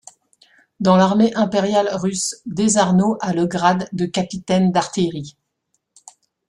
Dans l'armée impériale russe, Desarnod a le grade de capitaine d'artillerie.